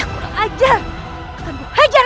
aku akan membuatmu mati